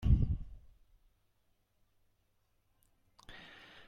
Kultura eskaintza eta eskaria ez datoz bat.